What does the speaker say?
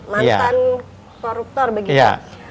mantan koruptor begitu